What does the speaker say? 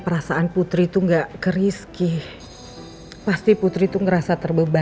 perasaan putri itu nggak ke rizky pasti putri itu ngerasa terbombol